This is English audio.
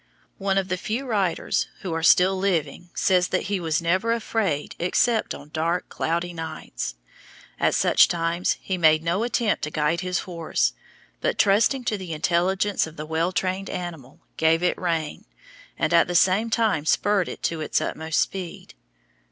One of the few riders who are still living says that he was never afraid except on dark, cloudy nights. At such times he made no attempt to guide his horse, but trusting to the intelligence of the well trained animal, gave it rein, and at the same time spurred it to its utmost speed.